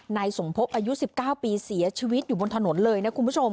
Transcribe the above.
นายสมภพอายุ๑๙ปีเสียชีวิตอยู่บนถนนเลยนะคุณผู้ชม